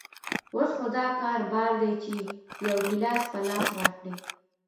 اوس خو دکار بار ده چې يو ګيلاس په لاس راکړي.